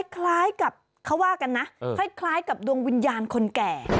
คล้ายกับเขาว่ากันนะคล้ายกับดวงวิญญาณคนแก่